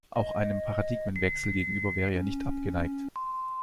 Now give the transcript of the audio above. Auch einem Paradigmenwechsel gegenüber wäre er nicht abgeneigt.